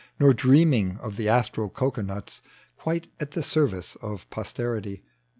Nor dreaming of the astral cocoanuts Quite at the service of posterity.